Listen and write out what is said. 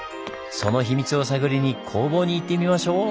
そのヒミツを探りに工房に行ってみましょう！